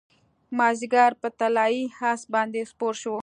مازدیګر په طلايي اس باندې سپور شو